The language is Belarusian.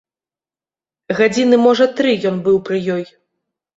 Гадзіны, можа, тры ён быў пры ёй.